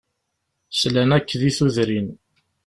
Slan akk di tudrin.